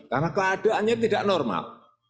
karena keadaannya tidak normal